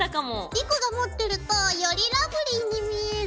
莉子が持ってるとよりラブリーに見える。